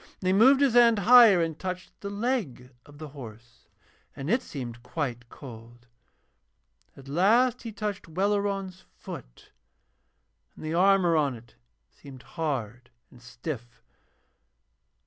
And he moved his hand higher and touched the leg of the horse, and it seemed quite cold. At last he touched Welleran's foot, and the armour on it seemed hard and stiff.